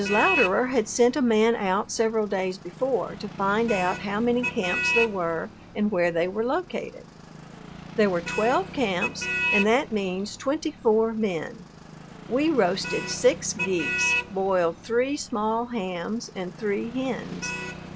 Louderer had sent a man out several days before to find out how many camps there were and where they were located. There were twelve camps and that means twenty four men. We roasted six geese, boiled three small hams and three hens.